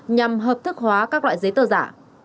nhằm hợp thức hóa các loại giấy tờ giả